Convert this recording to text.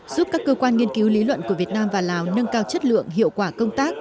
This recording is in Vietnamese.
giúp các cơ quan nghiên cứu lý luận của việt nam và lào nâng cao chất lượng hiệu quả công tác